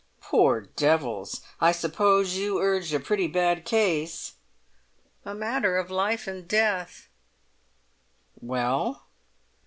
"Poor devils! I suppose you urged a pretty bad case?" "A matter of life or death." "Well?"